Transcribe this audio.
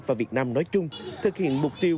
và việt nam nói chung thực hiện mục tiêu